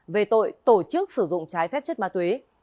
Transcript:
về tội tổ chức sử dụng trái phép chất ma túy